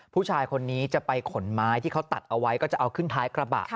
ผู้ชายคนนี้จะไปขนไม้ที่เขาตัดเอาไว้ก็จะเอาขึ้นท้ายกระบะ